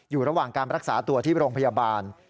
อยู่ระหว่างการรักษาตัวที่โรงพยาบาล